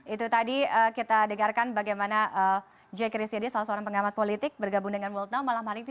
itu tadi kita dengarkan bagaimana j kristiadi salah seorang pengamat politik bergabung dengan world now malam hari ini